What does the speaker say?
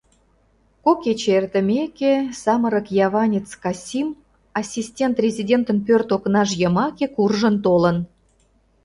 Кок кече эртымеке, самырык яванец Касим ассистент-резидентын пӧрт окнаж йымаке куржын толын.